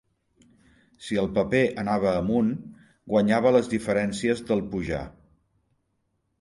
Si el paper anava amunt, guanyava les diferencies del pujar